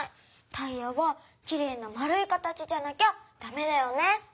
タイヤはきれいなまるい形じゃなきゃダメだよね。